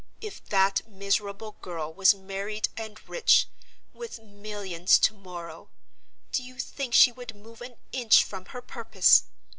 If that miserable girl was married and rich, with millions tomorrow, do you think she would move an inch from her purpose?